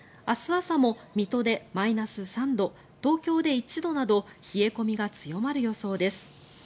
明日朝も水戸でマイナス３度東京で１度など冷え込みが強まる予想です。